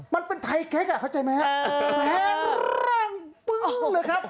มันเป็นไทไคร้กอ่ะเข้าใจไหมแหล่งรังปึ้งเลยครับ